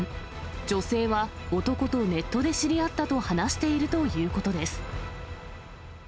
女性は男とネットで知り合ったと話しているということです。